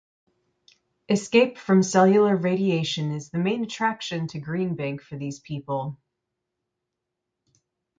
Escape from cellular radiation is the main attraction to Green Bank for these people.